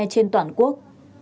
trên toàn quốc